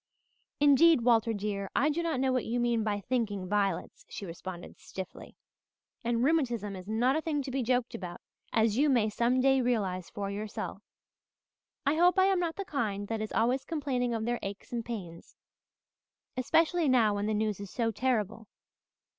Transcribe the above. "Indeed, Walter dear, I do not know what you mean by thinking violets," she responded stiffly, "and rheumatism is not a thing to be joked about, as you may some day realize for yourself. I hope I am not of the kind that is always complaining of their aches and pains, especially now when the news is so terrible.